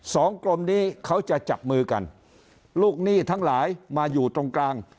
กรมนี้เขาจะจับมือกันลูกหนี้ทั้งหลายมาอยู่ตรงกลาง